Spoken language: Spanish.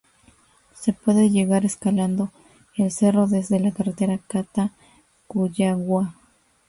Se puede llegar escalando el Cerro desde la carretera Cata-Cuyagua.